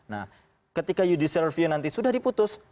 nah ketika judicial review nanti sudah diputus